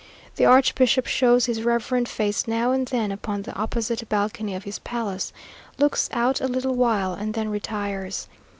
The archbishop shows his reverend face now and then upon the opposite balcony of his palace, looks out a little while, and then retires.